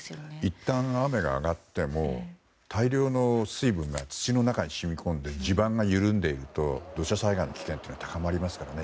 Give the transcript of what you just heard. いったん雨が上がっても大量の水分が土の中に染み込んで地盤が緩んでいると土砂災害の危険というのは高まりますからね。